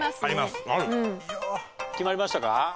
決まりましたか？